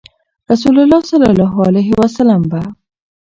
رسول الله صلی الله عليه وسلم به